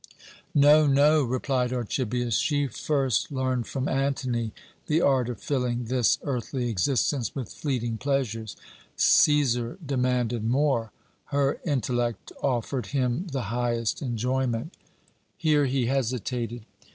"No, no," replied Archibius, "she first learned from Antony the art of filling this earthly existence with fleeting pleasures. Cæsar demanded more. Her intellect offered him the highest enjoyment." Here he hesitated.